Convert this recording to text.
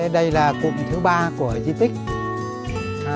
đây là cụm thứ ba của di tích